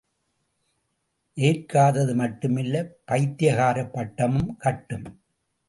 ஏற்காதது மட்டுமல்ல, பைத்தியக்காரப் பட்டமும் கட்டும்.